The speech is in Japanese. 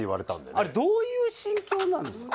あれどういう心境なんですか？